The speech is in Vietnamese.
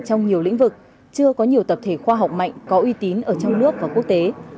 trong nhiều lĩnh vực chưa có nhiều tập thể khoa học mạnh có uy tín ở trong nước và quốc tế